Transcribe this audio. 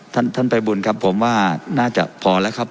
ท่านท่านไปบุญครับผมว่าน่าจะพอแล้วครับ